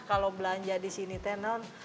kalau belanja di sini tenun